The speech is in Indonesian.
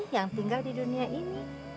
yang tinggal di dunia ini